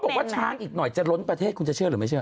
บอกว่าช้างอีกหน่อยจะล้นประเทศคุณจะเชื่อหรือไม่เชื่อ